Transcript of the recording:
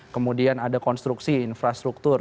kemudian ada konstruksi infrastruktur